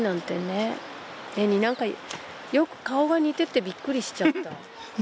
なんかよく顔が似ててびっくりしちゃった。